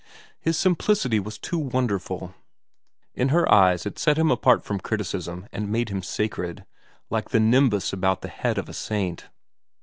His simplicity was too wonderful. In her eyes it set him apart from criticism and made him sacred, like the nimbus about the head of a saint.